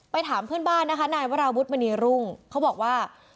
ถามเพื่อนบ้านนะคะนายวราวุฒิมณีรุ่งเขาบอกว่า